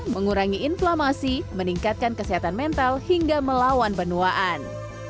mengurangi inflamasi meningkatkan kesehatan mental hingga melawan benuaan